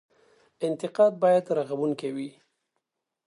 انتقاد باید رغونکی وي